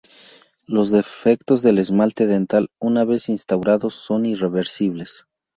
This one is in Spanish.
Los defectos del esmalte dental, una vez instaurados, son irreversibles.